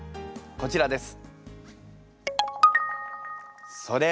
こちらです。